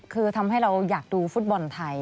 คือทำให้เราอยากดูฟุตบอลไทย